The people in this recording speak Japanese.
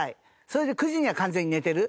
それで９時には完全に寝てる。